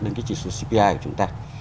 đến cái chỉ số cpi của chúng ta